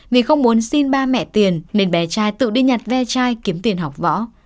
vì không muốn xin ba mẹ tiền nên bé trai tự đi nhặt ve chai kiếm tiền học võ